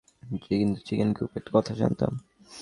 কিন্তু চিকেন কুপের কথা জানতাম।